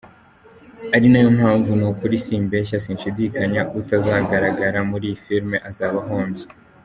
Ari nayo mpamvu, ni ukuri simbeshya, sinshidikanya, utazagaragara muri iyi filime azaba ahombye.